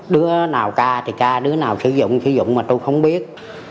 đứa nào ca thì ca đứa nào sử dụng sử dụng mà tôi không biết